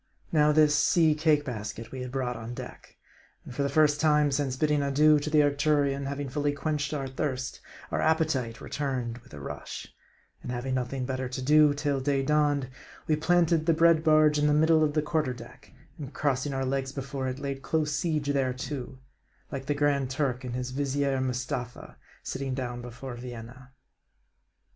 Now this sea cake basket we had brought on deck. And for the first time since bidding adieu to the Arcturion having fully quenched our thirst, our appetite returned with a rush ; and having nothing better to do till day dawned, we planted the bread barge in the middle of the quarter deck ; and crossing our legs before it, laid close seige thereto, like the Grand Turk and his Vizier Mustapha sitting down before Vienna.